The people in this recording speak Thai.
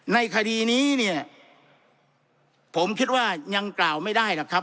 ในคดีนี้เนี่ยผมคิดว่ายังกล่าวไม่ได้หรอกครับ